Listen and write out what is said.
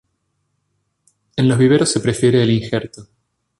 En los viveros se prefiere el injerto.